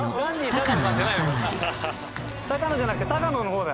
坂野じゃなくて高野の方だ。